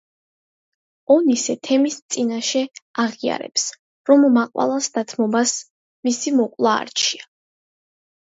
ონისე თემის წინაშე აღიარებს, რომ მაყვალას დათმობას მისი მოკვლა არჩია.